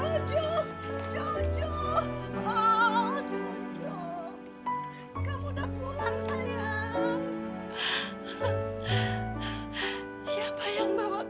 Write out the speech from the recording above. nanti kalau kepala dia benjut gimana